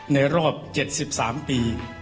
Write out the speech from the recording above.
ในรอบ๗๓ปี